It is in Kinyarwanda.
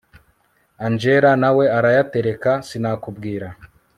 angella nawe arayatereka sinakubwira